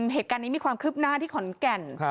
เหตุการณ์นี้มีความคืบหน้าที่ขอนแก่น